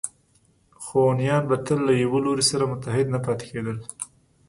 خو هونیان به تل له یوه لوري سره متحد نه پاتې کېدل